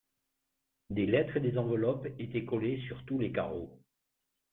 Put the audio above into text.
Des lettres et des enveloppes étaient collées sur tous les carreaux.